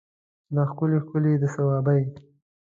دا ښکلي ښکلي د صوابی